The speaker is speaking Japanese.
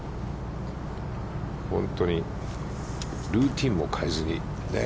本当にルーティンも変えずに。